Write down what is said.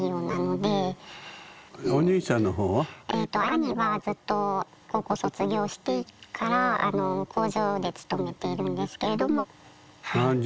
兄はずっと高校卒業してから工場で勤めているんですけれども。